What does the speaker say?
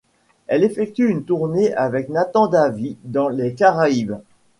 Elle effectue une tournée avec Nathan Davis dans les Caraïbes.